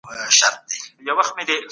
د ګرګين خان اصلي ټاټوبی کوم ځای و؟